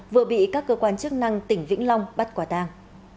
vừa bị các cơ quan chức năng tỉnh vĩnh long bắt quả tàng